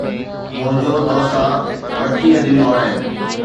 منھنجون توسان ٻٽيهه دليون آھن.